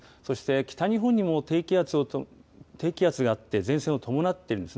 北日本にも低気圧があって前線を伴っています。